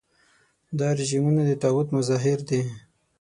دا رژیمونه د طاغوت مظاهر دي.